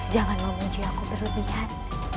jangan memuji aku berlebihan